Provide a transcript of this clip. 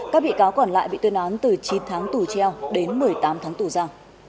các bị cáo còn lại bị tuyên án từ chín tháng tù treo đến một mươi tám tháng tù ra